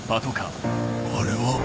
あれは。